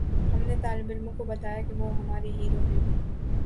ہم نے طالب علموں کو بتایا کہ وہ ہمارے ہیرو ہیں۔